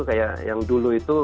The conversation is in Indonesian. kayak yang dulu itu